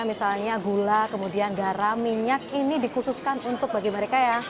misalnya gula kemudian garam minyak ini dikhususkan untuk bagi mereka ya